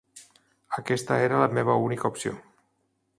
Aquesta era la meva única opció.